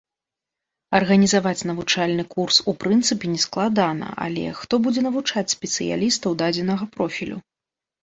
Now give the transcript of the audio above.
Арганізаваць навучальны курс у прынцыпе нескладана, але хто будзе навучаць спецыялістаў дадзенага профілю?